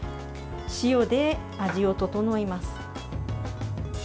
塩で味を調えます。